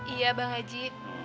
iya bang haji